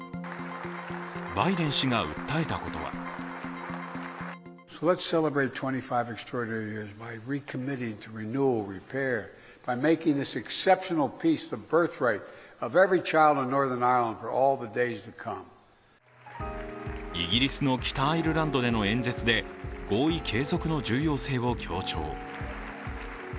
バイデン氏が訴えたことはイギリスの北アイルランドでの演説で合意継続の重要性を強調。